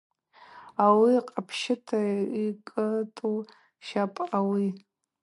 Ауи къапщыта йкӏытӏу щапӏ ауи.